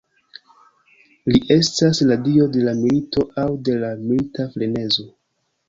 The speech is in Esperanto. Li estas la dio de la milito aŭ de la milita frenezo.